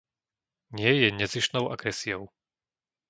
Nie je nezištnou agresiou.